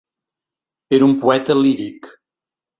Era un poeta líric.